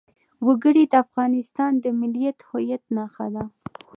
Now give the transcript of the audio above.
وګړي د افغانستان د ملي هویت نښه ده.